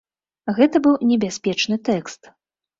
Гэта быў небяспечны тэкст.